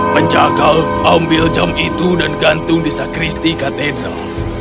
penjaga ambil jam itu dan gantung di sacristi kathedral